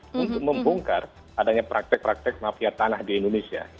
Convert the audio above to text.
untuk membongkar adanya praktek praktek mafia tanah di indonesia